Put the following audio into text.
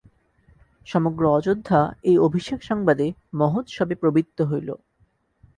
সমগ্র অযোধ্যা এই অভিষেক-সংবাদে মহোৎসবে প্রবৃত্ত হইল।